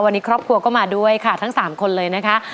วันนี้ครอบครัวก็มาด้วยค่ะทั้ง๓คนเลยนะคะ